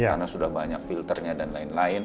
karena sudah banyak filternya dan lain lain